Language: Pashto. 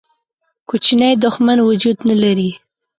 کوچنی دښمن وجود نه لري.